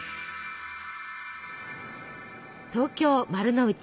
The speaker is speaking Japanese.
東京丸の内。